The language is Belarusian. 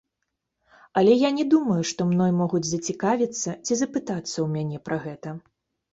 Але я не думаю, што мной могуць зацікавіцца ці запытацца ў мяне пра гэта.